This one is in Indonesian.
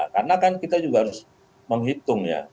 karena kan kita juga harus menghitung ya